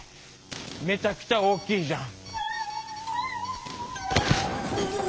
めちゃくちゃ大きいじゃん。